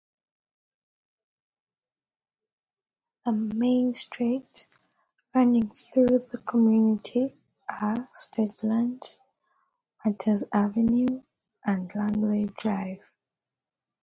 The main streets running through the community are Stagelands, Martyrs Avenue and Langley Drive.